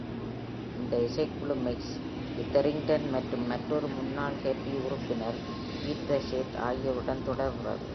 இந்த இசைக்குழு Max Etherington மற்றும் மற்றொரு முன்னாள் ஹூப்பி உறுப்பினர் பீட்டர் ஷேட் ஆகியோருடன் தொடர்கிறது.